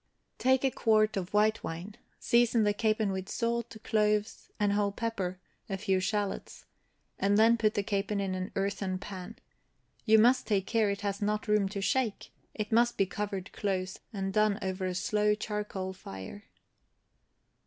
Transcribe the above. Take a quart of white wine, season the capon with salt, cloves, and whole pepper, a few shallots, and then put the capon in an earthen pan; you must take care it has not room to shake; it must be covered close, and done over a slow charcoal fire.